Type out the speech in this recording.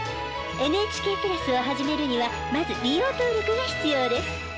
ＮＨＫプラスを始めるにはまず利用登録が必要です。